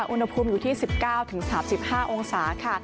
อุณหภูมิอยู่ที่๑๙๓๕องศาค่ะ